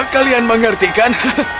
kalian mengerti kan